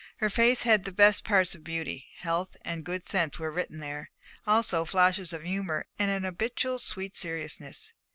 Her face had the best parts of beauty: health and good sense were written there, also flashes of humour and an habitual sweet seriousness.